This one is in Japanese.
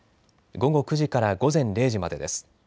午後９時から午前０時までです。